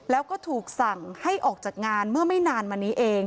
แล้วก็ถูกสั่งให้ออกจากงานเมื่อไม่นานมานี้เอง